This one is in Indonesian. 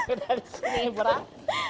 udah ini siap dikasihin untuk tapir tapir